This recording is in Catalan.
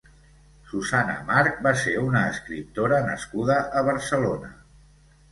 Susana March va ser una escriptora nascuda a Barcelona.